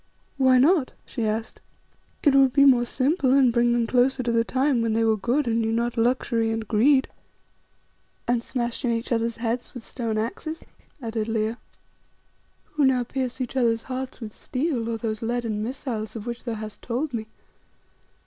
"Why not?" she asked. "It would be more simple and bring them closer to the time when they were good and knew not luxury and greed." "And smashed in each other's heads with stone axes," added Leo. "Who now pierce each other's hearts with steel, or those leaden missiles of which thou hast told me.